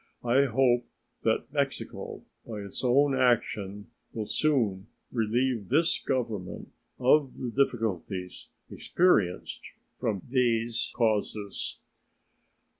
I hope that Mexico by its own action will soon relieve this Government of the difficulties experienced from these causes.